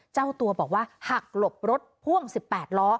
เจ้าตัวบอกว่าหักหลบรถพ่วง๑๘ล้อ